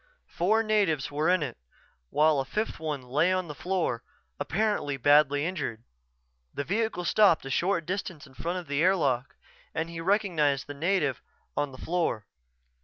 Four natives were in it while a fifth one lay on the floor, apparently badly injured. The vehicle stopped a short distance in front of the airlock and he recognized the native on the floor.